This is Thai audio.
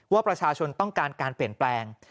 ว่าประชาชนต้องการการเปลี่ยนแปลง